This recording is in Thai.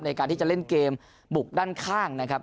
ในการที่จะเล่นเกมบุกด้านข้างนะครับ